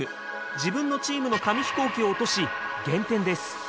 自分のチームの紙飛行機を落とし減点です。